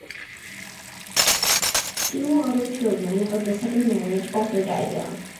Two other children of the second marriage also died young.